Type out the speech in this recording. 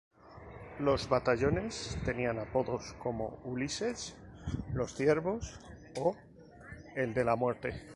Los batallones tenían apodos como "Ulises", "los Ciervos" o el de "la Muerte".